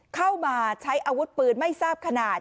เข้ามาใช้อาวุธปืนไม่ทราบขนาด